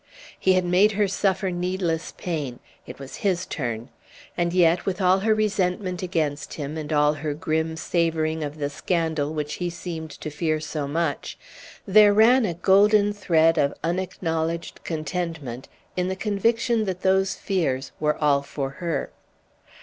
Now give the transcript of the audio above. He had made her suffer needless pain; it was his turn. And yet, with all her resentment against him, and all her grim savoring of the scandal which he seemed to fear so much, there ran a golden thread of unacknowledged contentment in the conviction that those fears were all for her.